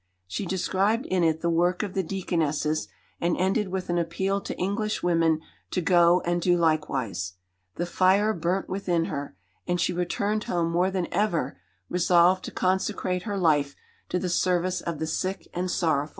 She described in it the work of the Deaconesses, and ended with an appeal to Englishwomen to go and do likewise. The fire burnt within her, and she returned home more than ever resolved to consecrate her life to the service of the sick and sorrowful.